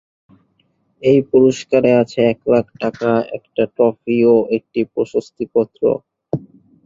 এই পুরস্কারে আছে এক লাখ টাকা, একটা ট্রফি ও একটি প্রশস্তি পত্র।